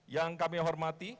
yang kami hormati